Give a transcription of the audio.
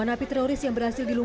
ada persorang dae ak di mana